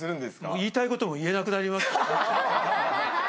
言いたいことも言えなくなりますからね。